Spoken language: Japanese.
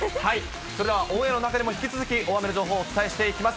それではオンエアの中でも、引き続き大雨の情報をお伝えしていきます。